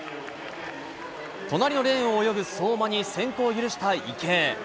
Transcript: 隣のレーンを泳ぐ相馬に先行を許した池江。